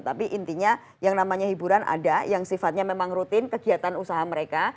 tapi intinya yang namanya hiburan ada yang sifatnya memang rutin kegiatan usaha mereka